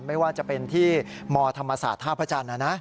ไม่ว่าจะเป็นที่มธรรมศาสตร์ท่าพระจันทร์